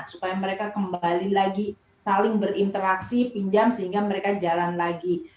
supaya mereka kembali lagi saling berinteraksi pinjam sehingga mereka jalan lagi